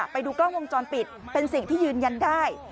ไปดูกล้องวงจรปิดเป็นสิ่งที่ยืนยันได้